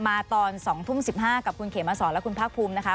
มาตอน๒ทุ่ม๑๕กับคุณเขมสอนและคุณภาคภูมินะคะ